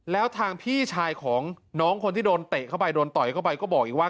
แล้วทางพี่ชายของน้องคนที่โดนเตะเข้าไปโดนต่อยเข้าไปก็บอกอีกว่า